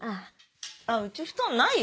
あ家布団ないよ？